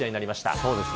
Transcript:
そうですね。